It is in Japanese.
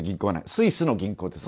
スイスの銀行です。